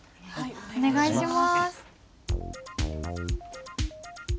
お願いします。